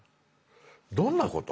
どんなこと？